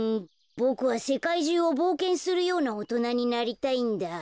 ボクはせかいじゅうをぼうけんするようなおとなになりたいんだ。